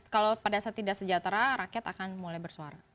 kalau pada saat tidak sejahtera rakyat akan mulai bersuara